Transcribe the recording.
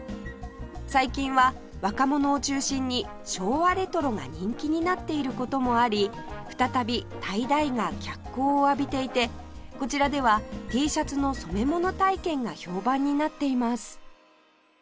最近は若者を中心に昭和レトロが人気になっている事もあり再びタイダイが脚光を浴びていてこちらでは Ｔ シャツの染め物体験が評判になっています